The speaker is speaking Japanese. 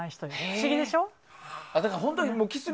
不思議でしょ？